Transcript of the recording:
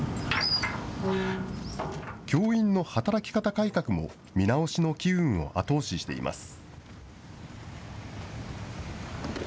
教員の働き方改革も見直しの機運を後押ししています。